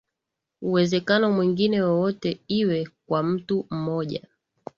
uwezekano mwingine wowote iwe kwa mtu mmoja